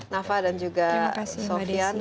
nafa dan juga sofian